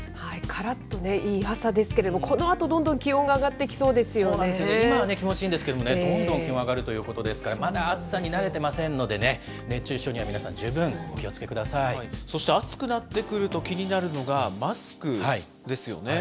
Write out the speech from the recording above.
からっとね、いい朝ですけれども、このあと、どんどん気温がそうなんですよね、今は気持ちいいんですけれども、どんどん気温上がるということですから、まだ暑さに慣れてませんのでね、熱中症には皆さん、十分、お気をそして、暑くなってくると気マスク。